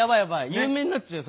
有名になっちゃう